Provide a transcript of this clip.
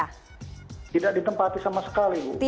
tidak ditempati sama sekali